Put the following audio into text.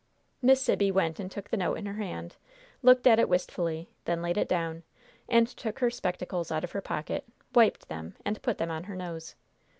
Miss Sibby went and took the note in her hand, looked at it wistfully, then laid it down, and took her spectacles out of her pocket, wiped them, and put them on her nose.